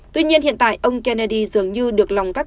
tuy nhiên hiện tại ông kennedy dường như được lòng tham gia